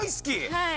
はい。